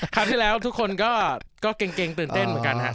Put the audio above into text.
คราธิ์ไล้ทุกคนก็เกงเกงเต้นเต้นเหมือนกันครับ